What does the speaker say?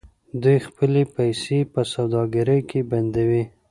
دوی خپلې پیسې په سوداګرۍ کې بندوي.